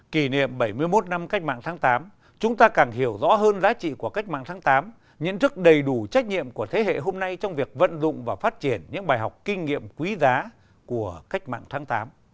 kỷ niệm bảy mươi một năm cách mạng tháng tám chúng ta càng hiểu rõ hơn giá trị của cách mạng tháng tám nhận thức đầy đủ trách nhiệm của thế hệ hôm nay trong việc vận dụng và phát triển những bài học kinh nghiệm quý giá của cách mạng tháng tám